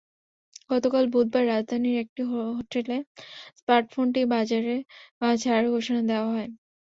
গতকাল বুধবার রাজধানীর একটি হোটেলে স্মার্টফোনটি বাজারে ছাড়ার ঘোষণা দেওয়া হয়।